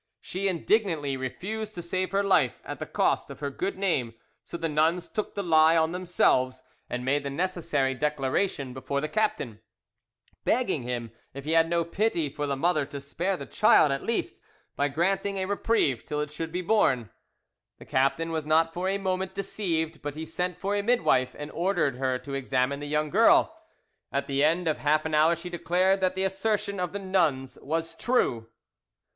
She indignantly refused to save her life at the cost of her good name, so the nuns took the lie on themselves and made the necessary declaration before the captain, begging him if he had no pity for the mother to spare the child at least, by granting a reprieve till it should be born. The captain was not for a moment deceived, but he sent for a midwife and ordered her to examine the young girl. At the end of half an hour she declared that the assertion of the nuns was true.